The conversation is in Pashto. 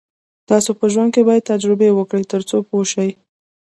تاسو په ژوند کې باید تجربې وکړئ تر څو پوه شئ.